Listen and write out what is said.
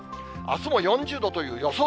あすも４０度という予想